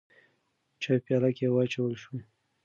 چای په پیالو کې واچول شو.